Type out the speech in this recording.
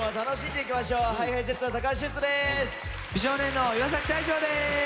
美少年の岩大昇です。